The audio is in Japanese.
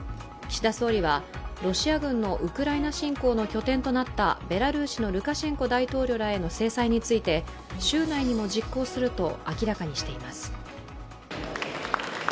岸田総理はロシア軍のウクライナ侵攻の拠点となったベラルーシのルカシェンコ大統領らへの制裁について週内にも実行すると明らかにしています。